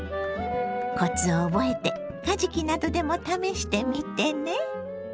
コツを覚えてかじきなどでも試してみてね。